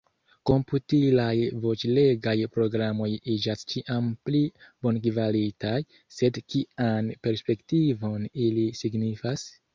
Komputilaj voĉlegaj programoj iĝas ĉiam pli bonkvalitaj, sed kian perspektivon ili signifas?